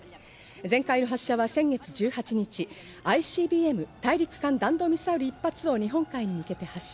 前回の発射は先月１８日、ＩＣＢＭ＝大陸間弾道ミサイル１発を日本海に向けて発射。